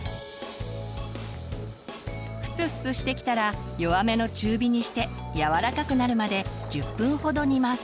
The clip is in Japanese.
ふつふつしてきたら弱めの中火にして柔らかくなるまで１０分ほど煮ます。